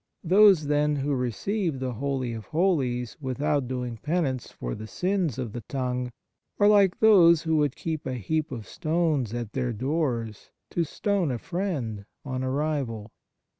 Those, then, who receive the Holy of Holies without doing penance for the sins of the tongue are like those who would keep a heap of stones at their doors to stone a friend on arrival."